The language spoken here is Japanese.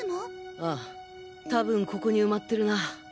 ああ多分ここに埋まってるな。